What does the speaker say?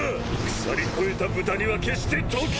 腐り肥えた豚には決して解けん！